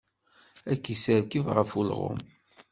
Ad k-isserkeb ɣef ulɣem.